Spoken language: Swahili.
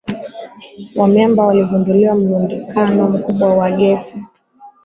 wa miamba waligundua mlundikano mkubwa wa gesi